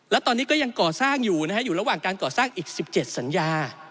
และตอนนี้ก็ยังก่อสร้างอยู่นะฮะอยู่ระหว่างการก่อสร้างอีก๑๗สัญญา